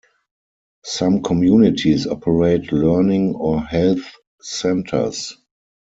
Some communities operate learning or health centers.